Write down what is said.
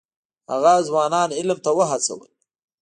هغه ځوانان علم ته وهڅول.